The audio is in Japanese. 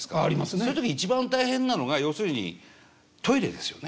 そういう時に一番大変なのが要するにトイレですよね？